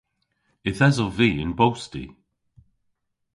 Yth esov vy yn bosti.